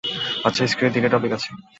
আচ্ছা, স্ক্রিনে তিনটা টপিক আছে।